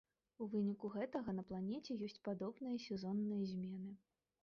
У выніку гэтага на планеце ёсць падобныя сезонныя змены.